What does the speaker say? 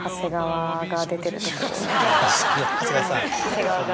長谷川さん。